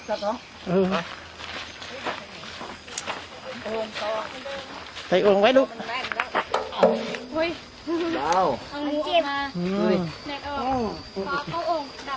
เกรงเบาสีทองไม่สีขาวสีเหลืองกันนะ